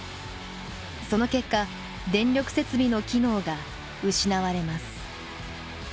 その結果電力設備の機能が失われます。